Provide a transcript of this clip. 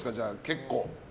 結構。